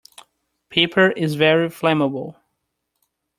Paper is very flammable.